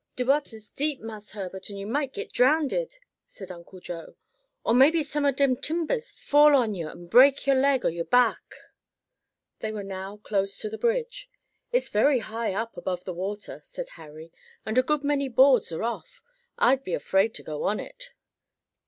"De watah's deep, Marse Herbert, and you might git drownded!" said Uncle Joe. "Or maybe some ob de timbahs fall on you an' break yo' leg or yo' back." They were now close to the bridge. "It's very high up above the water," said Harry, "and a good many boards are off: I'd be afraid to go on it."